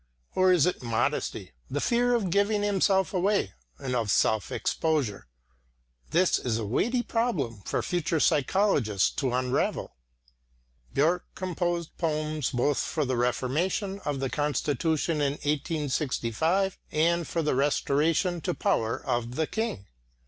Or is it modesty, the fear of giving himself away, and of self exposure? This is a weighty problem for future psychologists to unravel. Björck composed poems both for the reformation of the constitution in 1865, and for the restoration to power of the King.